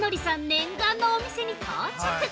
念願のお店に到着。